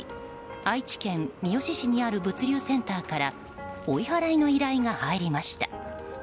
愛知県みよし市にある物流センターから追い払いの依頼が入りました。